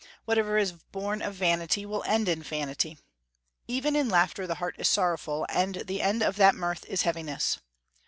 Whatever is born of vanity will end in vanity. "Even in laughter the heart is sorrowful, and the end of that mirth is heaviness."